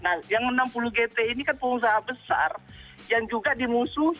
nah yang enam puluh gt ini kan pengusaha besar yang juga dimusuhi